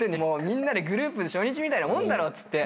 みんなでグループで初日みたいなもんだろ」と。